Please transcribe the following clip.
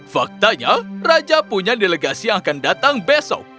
faktanya raja punya delegasi yang akan datang besok